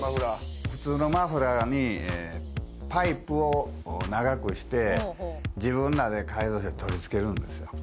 普通のマフラーにパイプを長くして自分らで改造して取り付けるんですよ